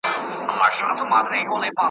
تا په تور او سپین جادو قرنونه غولولي وو .